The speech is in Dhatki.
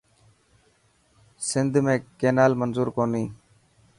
سنڌو ۾ ڪينال منضور ڪوني.